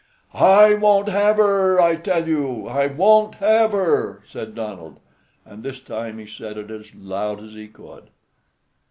"I won't have her, I tell you; I won't have her!" said Donald; and this time he said it as loud as he could.